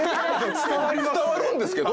伝わるんですけど。